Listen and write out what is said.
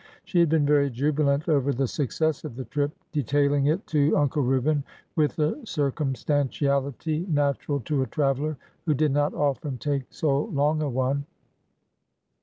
She had been very jubilant over the success of the trip, detailing it to Uncle Reuben with the circumstantiality 337 328 ORDER NO. 11 natural to a traveler who did not often take so long a one.